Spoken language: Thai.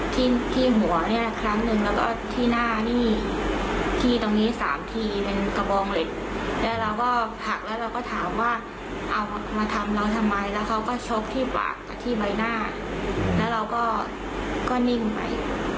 ที่ที่หัวเนี่ยครั้งหนึ่งแล้วก็ที่หน้านี่ที่ตรงนี้สามทีเป็นกระบองเหล็กแล้วเราก็หักแล้วเราก็ถามว่าเอามาทำเราทำไมแล้วเขาก็ชกที่ปากกับที่ใบหน้าแล้วเราก็นิ่งไป